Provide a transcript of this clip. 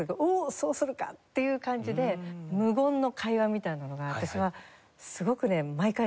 そうするか！っていう感じで無言の会話みたいなのがあってそれはすごくね毎回楽しいです。